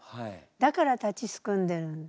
だから立ちすくんでるの。